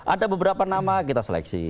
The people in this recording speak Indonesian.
ada beberapa nama kita seleksi